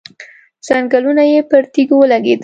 ځنګنونه يې پر تيږو ولګېدل.